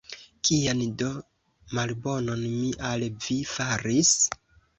Kian do malbonon mi al vi faris?